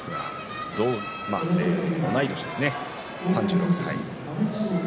同い年ですね３６歳。